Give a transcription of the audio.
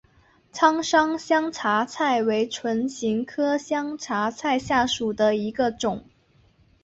苍山香茶菜为唇形科香茶菜属下的一个种。